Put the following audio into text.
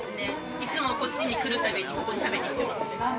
いつもこっちに来るたびにここに食べに来てますね。